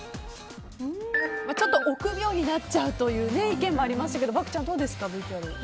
ちょっと臆病になっちゃうという意見もありましたが獏ちゃん、どうですか？